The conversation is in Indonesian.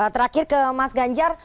terakhir ke mas ganjar